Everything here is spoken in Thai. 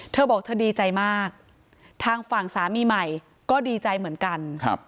เธอบอกเธอดีใจมากทางฝั่งสามีใหม่ก็ดีใจเหมือนกัน